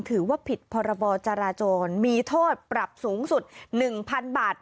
ถือว่าผิดพรบจรโจรมีโทษปรับสูงสุดหนึ่งพันบาท